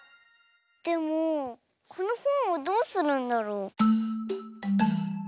でもこのほんをどうするんだろう？